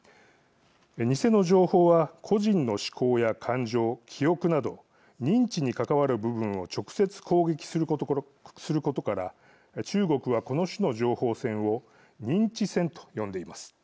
偽の情報は個人の思考や感情記憶など認知に関わる部分を直接攻撃することから中国はこの種の情報戦を認知戦と呼んでいます。